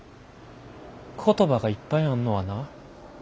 言葉がいっぱいあんのはな